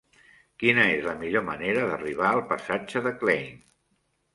Quina és la millor manera d'arribar al passatge de Klein?